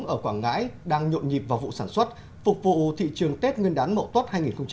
ở quảng ngãi đang nhộn nhịp vào vụ sản xuất phục vụ thị trường tết ngân đán mậu tốt hai nghìn một mươi tám